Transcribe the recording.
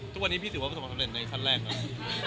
ทุกวันนี้พี่ถือว่าประสบความสำเร็จในขั้นแรกไหม